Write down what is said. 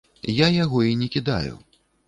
Я яго і не кідаю.